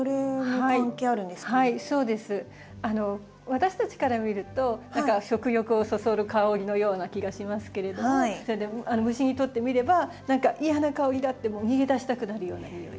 私たちから見ると何か食欲をそそる香りのような気がしますけれども虫にとってみれば何か嫌な香りだってもう逃げ出したくなるような匂い。